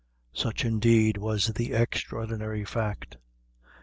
Such, indeed, was the extraordinary fact!